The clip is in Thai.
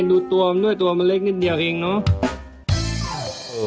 ดูตัวมันด้วยตัวมันเล็กนิดเดียวเองเนอะ